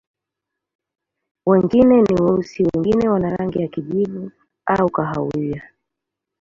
Wengine ni weusi, wengine wana rangi ya kijivu au kahawia.